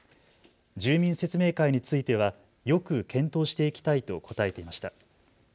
住民説明会についてはよく検討していきたいと答えていました。